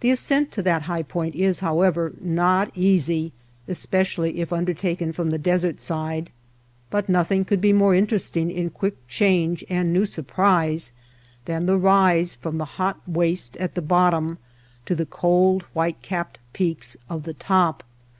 The ascent to that high point is, however, not easy, especially if undertaken from the desert side. But nothing could be more interesting in quick change and new surprise than the rise from the hot waste at the bottom to the cold white capped peaks of the top.